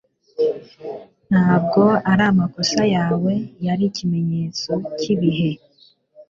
ntabwo ari amakosa yawe, cyari ikimenyetso cyibihe